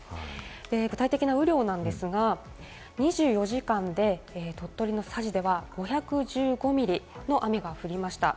具体的な雨量なんですが、２４時間で、鳥取の佐治では、５１５ミリの雨が降りました。